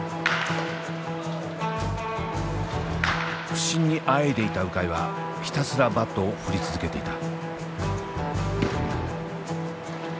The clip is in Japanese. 不振にあえいでいた鵜飼はひたすらバットを振り続けていた。